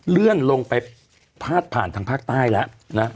เลื่อนลงไปพาดผ่านทางภาคใต้แล้วนะ